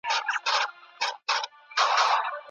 په دغه کیسې کي یو ښکلی پیغام موجود دی.